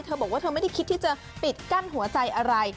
บอกว่าเธอไม่ได้คิดที่จะปิดกั้นหัวใจอะไร